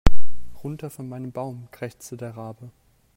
"Runter von meinem Baum", krächzte der Rabe.